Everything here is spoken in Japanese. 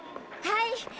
はい。